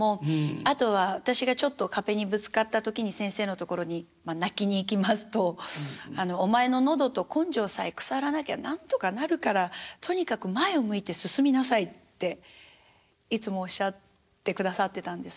あとは私がちょっと壁にぶつかった時に先生のところにまあ泣きに行きますと「お前の喉と根性さえ腐らなきゃなんとかなるからとにかく前を向いて進みなさい」っていつもおっしゃってくださってたんです。